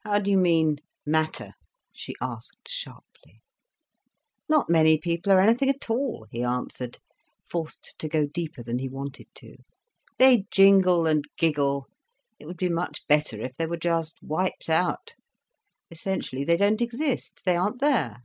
"How do you mean, matter?" she asked sharply. "Not many people are anything at all," he answered, forced to go deeper than he wanted to. "They jingle and giggle. It would be much better if they were just wiped out. Essentially, they don't exist, they aren't there."